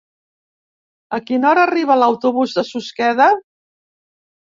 A quina hora arriba l'autobús de Susqueda?